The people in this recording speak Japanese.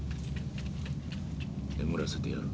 眠らせてやる。